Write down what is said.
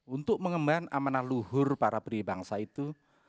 untuk mengembangkan amanah luhur para pribangsa itu